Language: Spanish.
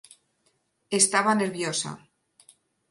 Estaba nerviosa.